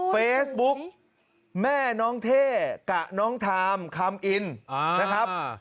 เฟซบุ๊กแม่น้องเท่กับน้องทามคำอินนะครับ